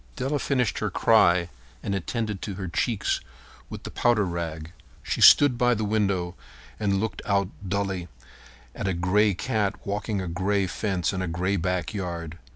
Della finished her cry and attended to her cheeks with the powder rag. She stood by the window and looked out dully at a gray cat walking a gray fence in a gray backyard.